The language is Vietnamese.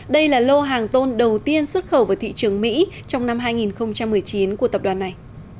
đây là lô hàng tôn đầu tiên xuất khẩu vào thị trường mỹ trong năm hai nghìn một mươi chín của tập đoàn này